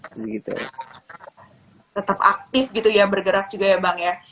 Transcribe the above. tetap aktif gitu ya bergerak juga ya bang ya